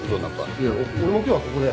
いや俺も今日はここで。